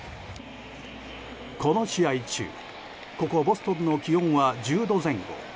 この試合中、ここボストンの気温は１０度前後。